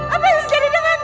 apa yang terjadi denganku